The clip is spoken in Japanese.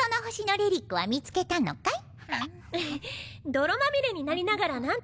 泥まみれになりながら何とか。